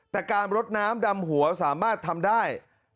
แต่การรดน้ำดำหัวสามารถทำได้